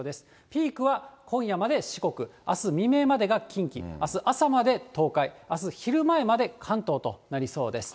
ピークは今夜まで四国、あす未明までが近畿、あす朝まで東海、あす昼前まで関東となりそうです。